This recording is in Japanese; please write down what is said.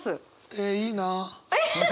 えいいな。